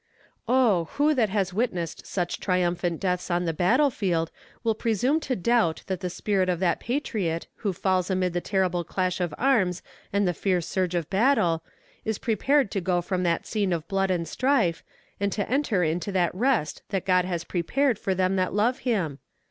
Oh, who that has witnessed such triumphant deaths on the battle field will presume to doubt that the spirit of that patriot who falls amid the terrible clash of arms and the fierce surge of battle, is prepared to go from that scene of blood and strife, and to enter into that rest that God has prepared for them that love Him?